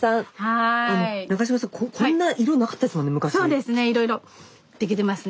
そうですねいろいろ出来てますね。